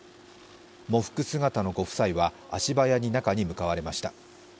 喪服姿のご夫妻は足早に中へ向かわれました。